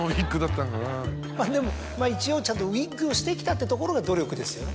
でも一応ちゃんとウイッグをしてきたってところが努力ですよね。